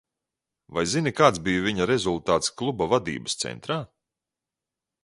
Vai zini, kāds bija viņa rezultāts kluba vadības centrā?